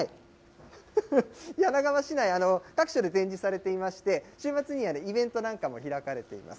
柳川市内、各所で展示されてまして、週末にはイベントなんかも開かれています。